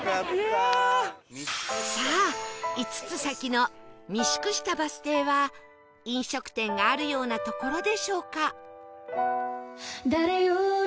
さあ５つ先の御宿下バス停は飲食店があるような所でしょうか？